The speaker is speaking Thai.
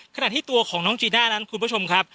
ขณะที่ตัวของน้องจีน่านั้นคุณผู้ชมครับ